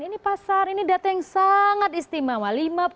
ini pasar ini data yang sangat istimewa